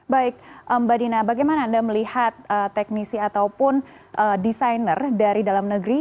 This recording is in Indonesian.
baik mbak dina bagaimana anda melihat teknisi ataupun desainer dari dalam negeri